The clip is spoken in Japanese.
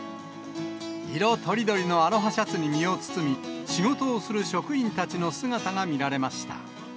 色とりどりのアロハシャツに身を包み、仕事をする職員たちの姿が見られました。